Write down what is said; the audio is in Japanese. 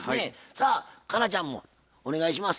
さあ佳奈ちゃんもお願いします。